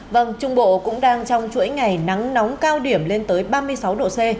vâng trung bộ cũng đang trong chuỗi ngày nắng nóng cao điểm lên tới ba mươi sáu độ c